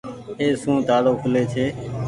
اي سون تآڙو کولي ڇي۔